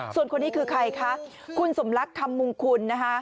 ส่วนคนนี้คือใครคะคุณสมรักคำมงคุณนะคะ